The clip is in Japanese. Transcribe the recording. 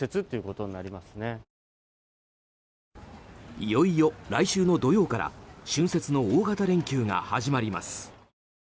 いよいよ来週の土曜から春節の大型連休が始まります。